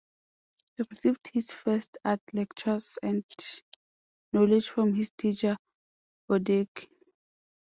He received his first art lectures and knowledge from his teacher Vodecki.